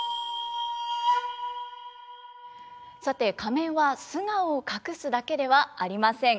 さて仮面は素顔を隠すだけではありません。